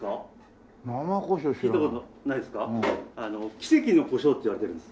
奇跡の胡椒っていわれているんです。